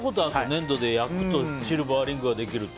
粘土で、焼くとシルバーリングができるって。